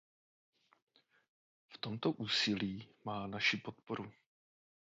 V tomto úsilí má naši podporu.